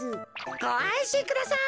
ごあんしんください。